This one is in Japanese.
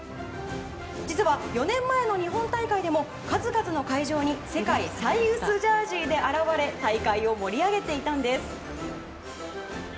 実は４年前の日本大会でも数々の会場に世界最薄ジャージーで現れ大会を盛り上げていたんです。